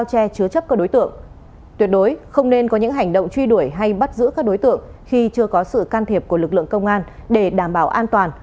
tiếp theo là những hành động truy đuổi hay bắt giữ các đối tượng khi chưa có sự can thiệp của lực lượng công an để đảm bảo an toàn